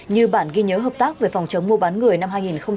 như bản ghi nhớ hợp tác về phòng chống mua bán người năm hai nghìn một mươi chín